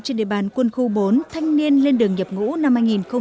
trên địa bàn quân khu bốn thanh niên lên đường nhập ngũ năm hai nghìn một mươi tám